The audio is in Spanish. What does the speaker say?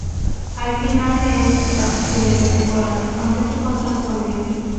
Al final de esa primera temporada, rompió su contrato con el equipo.